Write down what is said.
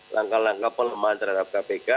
langkah langkah pelemahan terhadap kpk